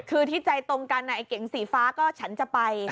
คือที่ใจตรงกันไอ้เก๋งสีฟ้าก็ฉันจะไป